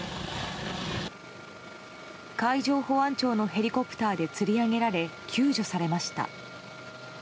海上保安庁のヘリコプターでつり上げられ救助されました。